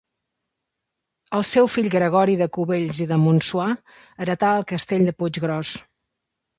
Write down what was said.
El seu fill Gregori de Cubells i de Montsuar heretà el castell de Puiggròs.